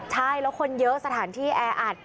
ใช่แล้วคนเยอะสถานที่แออัด